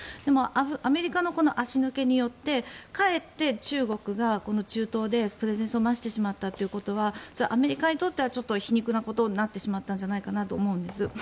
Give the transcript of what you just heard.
アメリカの足抜けによってかえって中国が中東でプレゼンスを増してしまったということはそれはアメリカにとっては皮肉なことになってしまったんじゃないかなと思うんです。